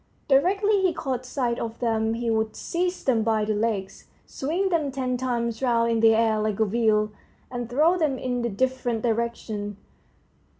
Directly he caught sight of them, he would seize them by the legs, swing them ten times round in the air like a wheel, and throw them in different directions.